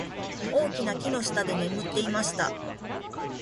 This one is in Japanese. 大きな木の下で眠っていました。